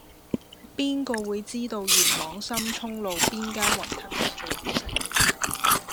邊個會知道元朗深涌路邊間雲吞麵最好食